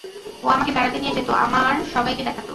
ও আমাকে বেড়াতে নিয়ে যেত আমার সবাইকে দেখাতো।